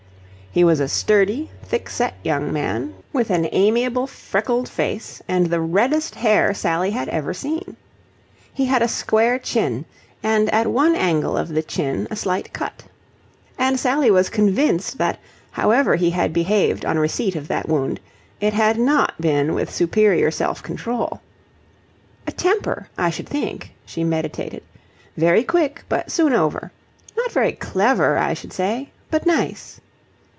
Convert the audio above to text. He was a sturdy, thick set young man with an amiable, freckled face and the reddest hair Sally had ever seen. He had a square chin, and at one angle of the chin a slight cut. And Sally was convinced that, however he had behaved on receipt of that wound, it had not been with superior self control. "A temper, I should think," she meditated. "Very quick, but soon over. Not very clever, I should say, but nice."